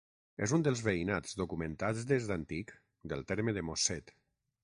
És un dels veïnats documentats des d'antic del terme de Mosset.